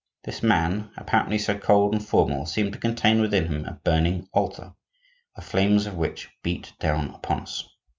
This man, apparently so cold and formal, seemed to contain within him a burning altar, the flames of which beat down upon us.